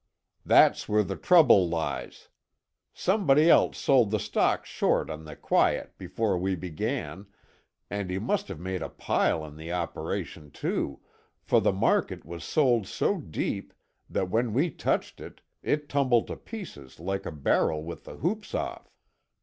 "That's where the trouble lies. Somebody else sold the stock short on the quiet before we began, and he must have made a pile on the operation too, for the market was sold so deep that when we touched it, it tumbled to pieces like a barrel with the hoops off.